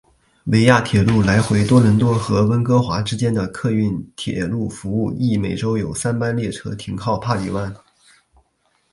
维亚铁路来回多伦多和温哥华之间的客运铁路服务亦每周有三班列车停靠帕里湾。